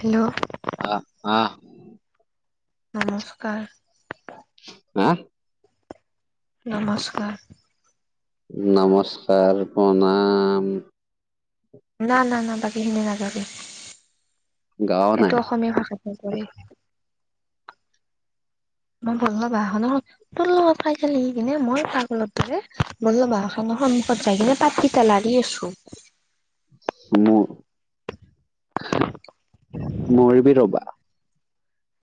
Hello? আ' আ' নমস্কাৰ। হম। নমস্কাৰ' নমস্কাৰ, প্ৰণাম। না, না, না, বাকী খিনি নাগাবি, গাও সেটো নাই অসমীয়া ভাষাত নপৰে। [unintelligible] তোৰ লগত পাই সি কিনে মই পাগলৰ দৰে বলো বা খৰ সন্মুখত যাই কিনে পাতি পেলাৰি আছোঁ। মোৰ, মৰিবি ৰ'বা।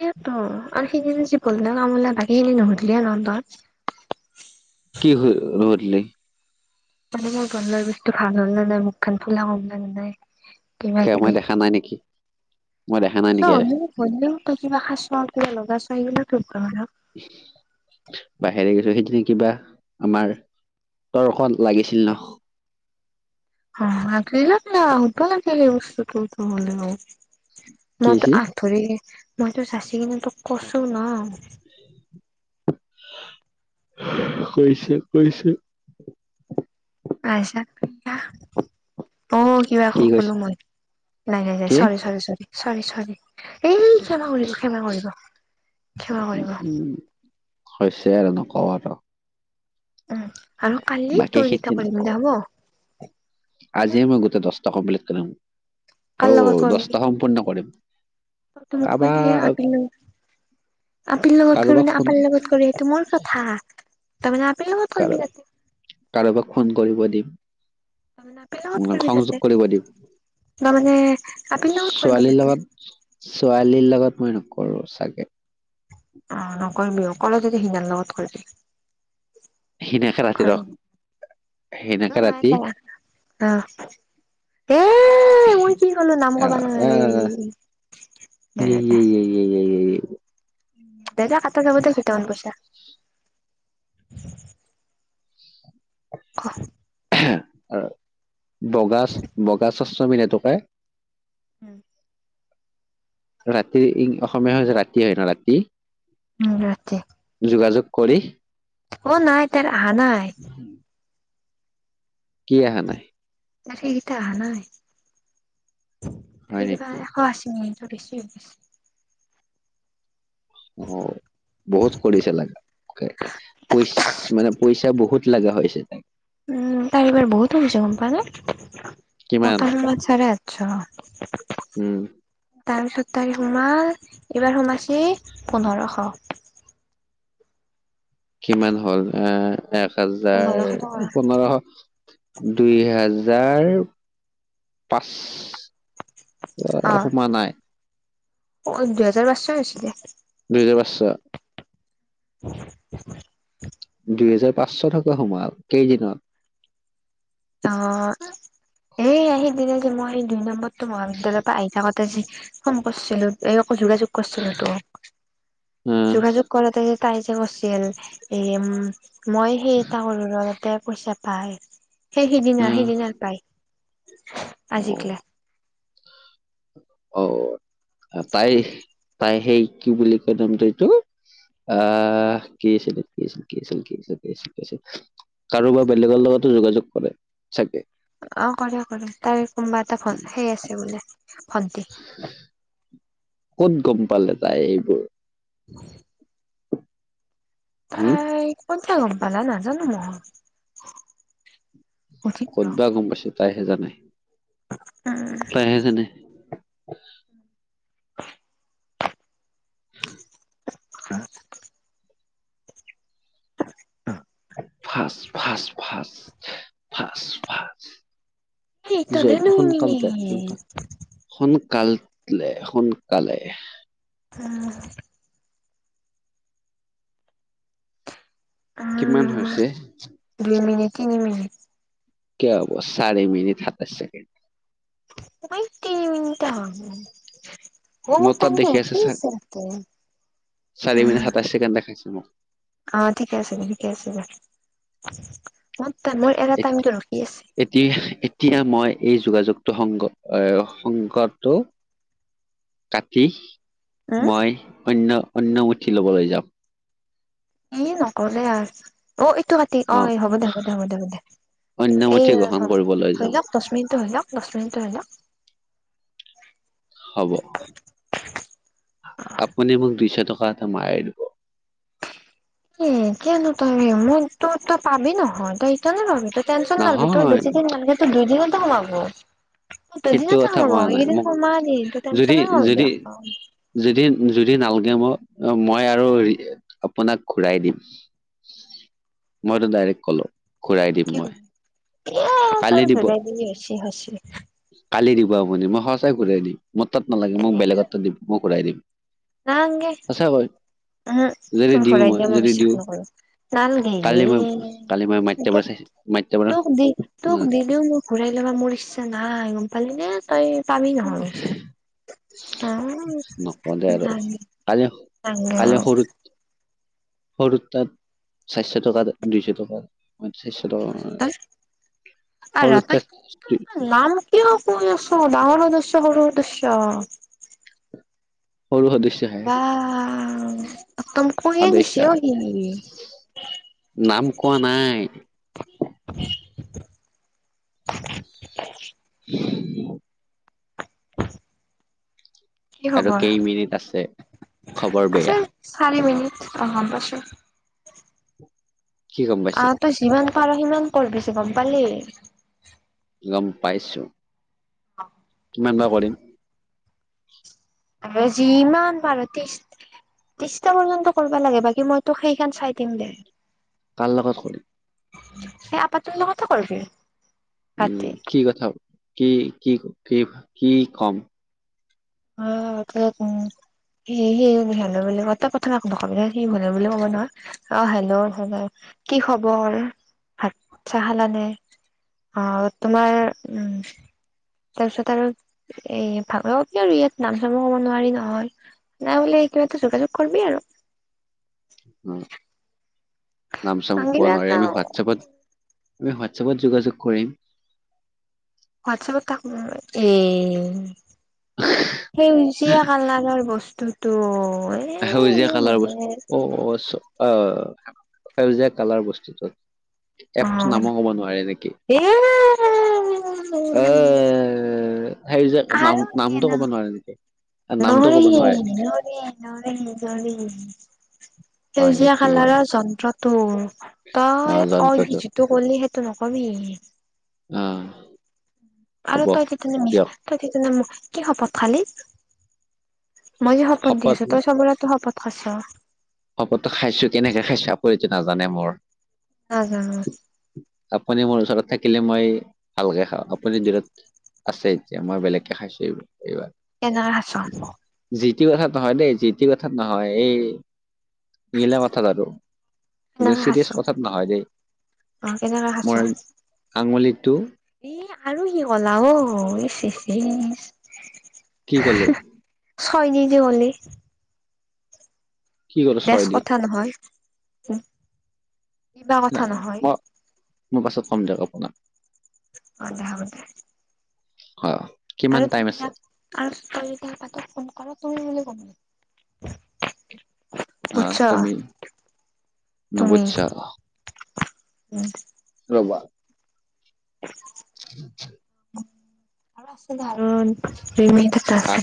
সেয়ে ত' আৰু সেইদিনা যি বল্লে কামলা বাকীখিনি নুসুধিলে ন তই। কি হল ৰৈ দিলি। মানে মোৰ গল্লাৰ বিষটো ভাল হ'ল নে নাই, মুখ খান ফুলা কমলা নে নাই? কিবা মই দেখা নাই নেকি? মই দেখা নাই চ' নেকি মোক কৈ দিলে হল তই কিবা খাইছ, কিবা লগাইছ সেইবিলাক [unintelligible] বাহিৰে গৈছোঁ সেইখিনি কিবা আমাৰ তৰ্ক লাগিছিল ন। [unintelligible] ধৰি, মইতো চাচি কি হৈছিল? কিনে তোক কৈছো ন। কৈছে, কৈছে। আইছা, বাহ। অ', কিবা কি কৈছে কলোঁ মই! নাই, নাই, নাই কি sorry, sorry, sorry, sorry, sorry. এ ক্ষমা কৰিব, ক্ষমা কৰিব, ক্ষমা কৰিব। উম হৈছে আৰু নকওঁ আৰু। আৰু কালি বাকী তোৰ খেতি গিটা কৰিম নকওঁ দে, হ'ব? আজিয়ে মই গোটেই দহটা কমপ্লিট কৰিম, কাৰ অও দহটা সম্পূৰ্ণ কৰিম। তইটো মোক কলি এ কাৰোবাক আপিল লগত, আপিৰ লগত কৰিবি কাৰোবাক নে ফোন আপেল লগত কৰি টো মোৰ কথা, তই মানে আপীৰ লগত কৰিবি। কাৰোবাক ফোন কৰিব দিম, তাৰমানে আপিৰ লগত কৰিবি তাতে সহযোগ কৰিব দিম। তাৰমানে আপিৰ লগত কৰিবি ছোৱালীৰ তাতে লগত। ছোৱালীৰ লগত মই নকৰোঁ চাগে। অ', নকৰিবি অকলে যদি সিনাৰ লগত কৰিবি। হিনেকা ৰাতি ৰখ, অ হেনেকা নাই ৰাতি। তাই অ'। এ', মই কি কলো নাম কব আহ নালাগে। আহ য়ে য়ে য়ে, য়ে, য়ে, য়ে দাদা সাততা লগতে কৃতন গৈছে। খ' বগা, বগা চশমা পিন্ধা টোকে। হম। ৰাতি, অসমীয়া সমাজত ৰাতি হয় ন ৰাতি। উম ৰাতি। যোগাযোগ কৰি অ', নাই তাৰ অহা নাই। কি অহা নাই? বাকীকেইটা অহা নাই ত হয় কিবা নেকি এশ আছিনি ভাবিছোঁ। অ'। বহুত কৰিছে লগাকে, পইছ মানে পইচা বহুত লগা হৈছে। উম, তাৰ এইবাৰ বহুত ভুল হৈছে গ'ম পাৱনে, কিমান মত মুৰত চাৰহঁত আচ্ছা। উম। তাৰপিছত তাইৰ সোমাল। এইবাৰ সোমাছে পোন্ধৰশ। কিমান হ'ল আহ এক পোন্ধৰশ টকা হাজাৰ পোন্ধৰশ। দুই হাজাৰ পাঁচ অ', সোমোৱা নাই। অ', দুহেজাৰ পাঁচশ হৈছিলে। দুহেজাৰ পাঁচশ? [unintelligible] দুইহেজাৰ পাঁচশ টকা সোমাল কেইদিনত? অ', এই হেই দিনা যে মই দুই নম্বৰতো মহাবিদ্যালয়ৰ পৰা আহি থাকো তেযে ফোন কৰিছিলো। এই আকৌ যোগাযোগ কৰিছিলো টো। আহ যোগাযোগ কৰাতে তাই যে কৈছিল, এ উম মই সেই এটা কৰো ৰ' এইতে পইচা পাই। সেই সিদিনা আহ সিদিনা পাই, আজিকলে অ' তাই তাই সেই কি বুলি কয় নামটো এইটো। আহ কি আছিলে, কি আছিলে, কি আছিল, কি আছিল, কি আছিল, কি আছিল। কাৰোবাৰ বেলেগৰ লগতো যোগাযোগ কৰে, চাগে। অ', কৰে কৰে তাইৰ কোনোবা এটা হে আছে বোলে ভণ্টি ক'ত গ'ম পালে তাই এইবোৰ? হয় [unintelligible] হম তাই ক'তবা গ'ম পালে নাজানো মই। সুধিম ৰ ক'তবা গ'ম পাইছে তাইহে জানে? উম তাইহে জানে। উম [inaudible] না [unintelligible] অ [unintelligible] ফাচ, ফাচ, ফাচ, ফাচ, ফাচ। সেইকাৰণে জইল দুই সোনকালতে মিনিট সোনকাল। সোনকালতলে, সোনকালে। উম। কিমান উম হৈছে? দুই মিনিট, তিনি মিনিট। কিয় হ'ব, চাৰি মিনিট সাতাইশ ছেকেণ্ড। দুই তিনি মিনিটে হয় মোৰ। অ' মোৰ তাত টাইমটো দেখি মোৰ অফিছ আছে। চাৰিমিনিট উম সাতাইশ ছেকেণ্ড দেখাইছে মোক। অ ঠিকে আছে দে ঠিকে আছে দে ম মোৰ এৰা এত- টাইমটো ৰখি আছে। এতিয়া এতিয়া মই এই যোগাযোগটো সংগ এ সংগটো কাটি উম মই অন্য অন্য উঠি ল'বলৈ যাওঁ ই নকলে আৰ অ এইটো ম অ হ'ব দে হ'ব দে হ'ব দে দে অন্য এই মুঠি গ্ৰহণ কৰিবলৈ ধৰি যাম লওক দহ মিনিটটো হৈ লওক দহ মিনিট হৈ লওক হ'ব আপুনি মোক দুইশ টকা এটা মাৰি দিব এ কিয়ানো তই মই তো তই পাবি নহয় তই তইও পাবি তই টেনচন নলবি তোৰ নহয় বেছি দিন নালাগে দুদিনতে সোমাব ত সেইটো দুদিনতে কথা কোৱা সোমাব এই নাই যে মোক তোমাৰ যি যদি টেনশনে নলবি যদি অলপো যদি যদি নালাগে মোক মই আৰু আপোনাক ঘূৰাই দৌন মইতো ডাইৰেক্ট কলো ঘুৰাই দিম কি মই কবি। এ কালি তোৰ দিব ঘূৰাই দিবি হৈছি হৈছি কালি দিব আপুনি মই সঁচাই ঘূৰাই দিম মোৰ তাত নালাগে মোক বেলেগত দিম মোক ঘূৰাই দিম সচাকৈ উম হুম, তোৰ ঘূৰাই দিয়া মই বিশ্বাস নকৰো কালি মই কালি মই নালগেৰে মাটিৰ পৰা চাইছো মাটিৰ পৰা তোক দি তোক দিলেও মোৰ ঘূৰাই ল'বা মোৰ ইচ্ছা নাই গম পালি নে তই পাবি নহয় নকলে আৰু [unintelligible] কালি কালি সৰুত সৰুৰ তাত চাৰিশ টকা দুইশ টকা চাৰিশ কি টকা কৈছ তই আৰু সৰু ৰ তই তাত কি নাম কিয় কৈ আছো ডাঙৰ সদস্য সৰু সদস্য সৰু সদস্যহে আহ একদম কৈয়ে সদস্য দিছে অ হে। সি নাম কোৱা নাই [inaudible] কি আৰু খবৰ কেইমিনিট আছে, খবৰ আছে বেয়া চাৰি মিনিট অ গম পাইছো কি গম অ পাইছে তই যিমান পাৰ সিমান কৰবি গম পালি গম পাইছো কিমান বা কৰিম আৰু যি ইমান পাৰ তেষ্টি [unintelligible] কৰিব লাগে বাকী মইতো সেইখন চাই দিম দে [unintelligible] সেই আপাটোৰ লগতো কৰবি উম কি কথা কি কি কি কি কম অ [unintelligible] সি সিহলে বুলি ক এটা কথা সি হলে বুলি ক'ব নহয় অ হেল্ল' হল কি খবৰ ভাত চাহ খালানে অ তোমাৰ তাৰপিছত আৰু এ ভালো কি আৰু ইয়াত নাম চামৰ কব নোৱাৰি নহয় নাই বোলে কিবা এটা যোগাযোগ কৰিবি আৰু উম কাম নাম চাম কব কিবা নোৱাৰি এটা আমি হোৱাটছএপত আমি হোৱাটছআপত যোগাযোগ কৰিম হোৱাটছআপত কাক, এ সেউজীয়া কালাৰৰ বস্তুটো এ সেউজীয়া ইও কালাৰ মানে বস্ত, অ', অ', চব অ', সেউজীয়া কালাৰ বস্তুটো, এপটো অ' নামো হ'ব নোৱাৰে নেকি? [unintelligible] হেইৰি যে নাম-নামটো ক'ব নোৱাৰে নেকি? আ, নামটো ক'ব নোৱাৰি নেকি? নোৱাৰে নোৱাৰে নোৱাৰে। হয় সেউজীয়া নেকি কালাৰৰ যন্ত্ৰটো অ', তই যন্ত্ৰটো [unintelligible] যিতো ক'লি সেইটো নকবি। অ'। আৰু হ'ব তই [unintelligible] দিয়ক কি হপত খাৱালি? মই যে শপত দি আছো তই চবলৈতো শপত খাইছা। শপতটো খাইছো কেনেকে খাইছো আকৌ এইটো নাজানে মোৰ। নাজানো। আপুনি মোৰ ওচৰত থাকিলে মই ভালকে খাওঁ, আপুনি দূৰত আছে এতিয়া মই বেলেগকে খাইছো এইবাৰ এইবাৰ। কেনেকে খাইছ জি টি কথাত নহয় দেই জি টি কথাত নহয় এই নিলা কথাত আৰু কিন্তু কেনেকে খাইছ চিৰিয়াছ কথাত নহয় দেই। অ', কেনেকে খাইছ? মোৰ আঙুলিটো এ আৰু কি কলা অ', [unintelligible] কি কলো? [unintelligible] কি ক'লো বেছ ছয় দি কথা নহয় কিবা কথা নহয় [unintelligible] মই পাছত কম দিয়ক আপোনাক। [unintelligible] [unintelligible] আৰু টাইম আছে [unintelligible] আৰু তই যেতিয়া পাত ফোন কৰা তুমি বুলি কবি। অ বুজছা, তুমি তুমি। নুবুজছা উম। ৰ'বা। [inaudible] [inaudible] [unintelligible] আৰু [unintelligible] আঠ,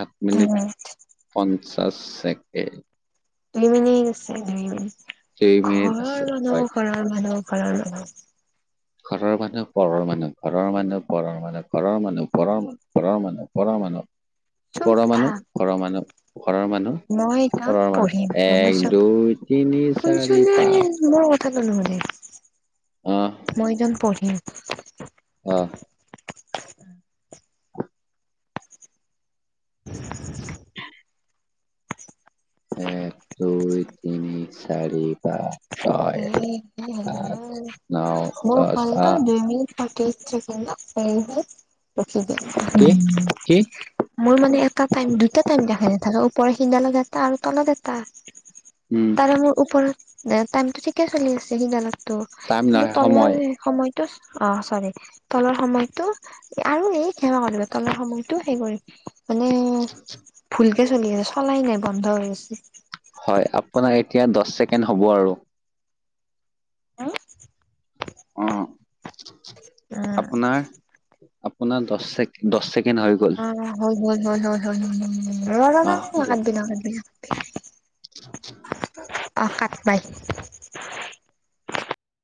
আঠ মিনিট পঞ্চাশ ছেকেণ্ড। দুই মিনি [unintelligible] দুই মিনিট আছে ঘৰৰ হয় মানুহ ঘৰৰ মানুহ ঘৰৰ মানুহ ঘৰৰ মানুহ পৰৰ মানুহ ঘৰৰ মানুহ পৰৰ মানে ঘৰৰ মানুহ পৰ মানহ পৰৰ মানুহ পৰৰ মানুহ। [inaudible] চুপ ওপৰৰ মানুহ থাক ঘৰৰ মানুহ ঘৰৰ মই মানুহ এজন ওপৰৰ পঢ়িম মানুহ গম এক পাইছ দুই তিনি চাৰি পাঁচ। [unintelligible] নহ'লে, আহ মই এজন পঢ়িম। অ'। [inaudible] এক দুই তিনি চাৰি পাঁচ। ছয় স সাত ন মোৰ দহ ভালটো আহ দুই মিনি [unintelligible] ৰখি দি [unintelligible] কি কি মই মানে এটা টাইম দুটা টাইম দেখাই নাথাকে, ওপৰ সিদালত এটা আৰু তলত এটা। উম'। মানে মোৰ ওপৰত এ টাইমটো ঠিকে চলি আছে সিডালতটো। টাইম কিন্তু নহয় সময় তলৰ সময়টো অ' চৰি তলৰ সময়তো আৰু এই ক্ষমা কৰিব তলৰ সময়টো সেই কৰি মানে ভুলকে চলি আছে, চলাই নাই বন্ধ হৈ আছে। হয়। আপোনাৰ এতিয়া দহ ছেকেণ্ড হ'ব আৰু। উম। অ' উম আপোনাৰ, আপোনাৰ দহ চেকেণ্ড, দহ ছেকেণ্ড হৈ গ'ল। অ', হ'ল, হ'ল, ৰ, ৰ, ৰ অ দিয়ক নাকাতিবি নাকাতাবি। [unintelligible] অ' সাত বাই।